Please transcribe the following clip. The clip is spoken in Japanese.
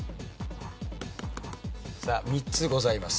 さあ３つございます。